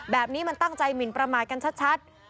แบบนี้มันตั้งใจหมินประมาทกันชัด